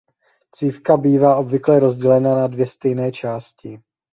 Cívka bývá obvykle rozdělena na dvě stejné části.